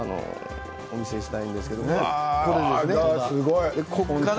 お見せしたいんですけれどね。